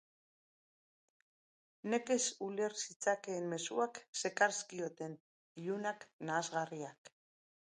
Nekez uler zitzakeen mezuak zekarzkioten, ilunak, nahasgarriak.